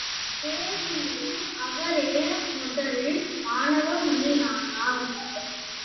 தேர்விலும் அவரே முதல் மாணவமணியானார்.